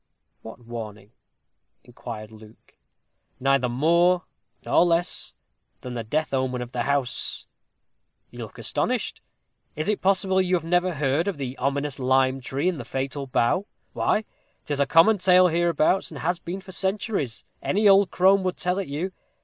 "What warning?" inquired Luke. "Neither more nor less than the death omen of the house. You look astonished. Is it possible you have never heard of the ominous Lime Tree, and the Fatal Bough? Why, 'tis a common tale hereabouts, and has been for centuries. Any old crone would tell it you.